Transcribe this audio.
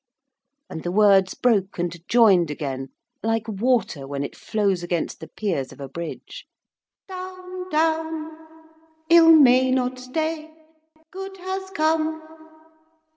And the words broke and joined again, like water when it flows against the piers of a bridge. 'Down, down .' 'Ill may not stay .' 'Good has come